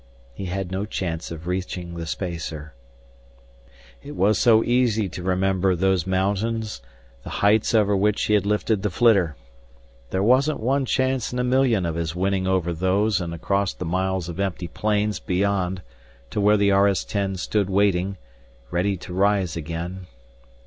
He had no chance of reaching the spacer It was so easy to remember those mountains, the heights over which he had lifted the flitter. There wasn't one chance in a million of his winning over those and across the miles of empty plains beyond to where the RS 10 stood waiting, ready to rise again.